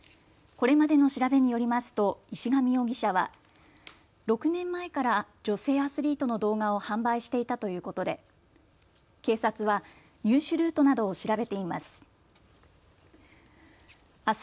これまでの調べによりますと石上容疑者は６年前から女性アスリートの動画を販売していたということで警察は入手ルートなどを調べています。